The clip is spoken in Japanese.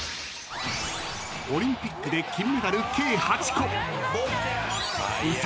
［オリンピックで金メダル計８個］